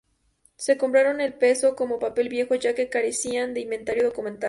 Se compraron al peso, como papel viejo ya que carecían de inventario documental.